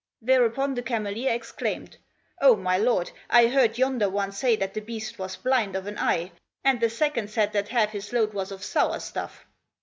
Thereupon the Cameleer exclaimed, "O my lord, I heard yonder one say that the beast was blind of an eye; and the second said that half his load was of sour stuff.